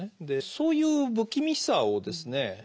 でそういう不気味さをですね